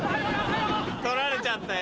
取られちゃったよ。